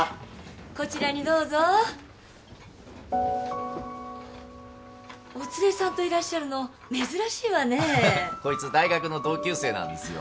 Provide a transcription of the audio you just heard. こちらにどうぞお連れさんといらっしゃるの珍しいわねこいつ大学の同級生なんですよ